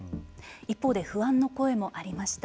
一方で不安の声もありました。